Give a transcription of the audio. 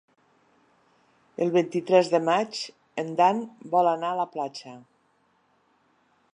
El vint-i-tres de maig en Dan vol anar a la platja.